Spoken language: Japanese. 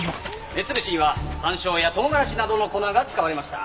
目潰しには山椒やトウガラシなどの粉が使われました。